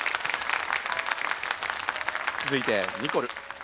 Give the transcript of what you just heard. つづいてニコル。